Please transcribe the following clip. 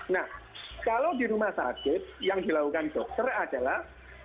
nah kalau di rumah sakit yang dilakukan dokter adalah